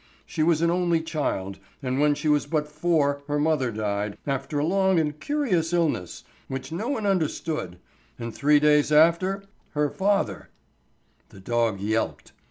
She was an only child, and when she was but four her mother died, after a long and curious illness which no one understood, and three days after, her father—" The dog yelped.